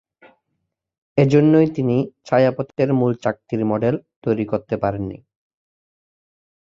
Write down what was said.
এজন্যই তিনি ছায়াপথের মূল চাকতির মডেল তৈরি করতে পারেননি।